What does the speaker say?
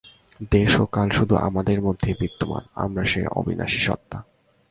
দেশ ও কাল শুধু আমাদের মধ্যেই বিদ্যমান, আমরা সেই অবিনাশী সত্তা।